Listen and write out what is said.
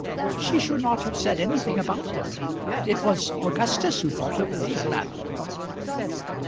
"She should not have said anything about them; it was Augustus who thought of them," said Madeline.